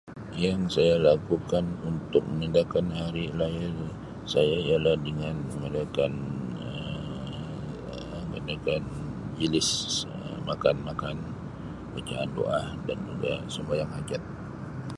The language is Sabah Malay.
Yang saya lakukan untuk menandakan hari lahir saya ialah dengan meraikan Um meraikan mijlis Um makan-makan, bacaan doa dan juga sembahyang hajat.